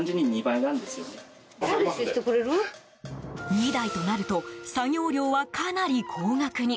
２台となると作業料は、かなり高額に。